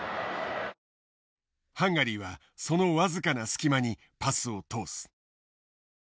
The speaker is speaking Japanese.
ハンガリーはその僅かな隙間にパスを通す。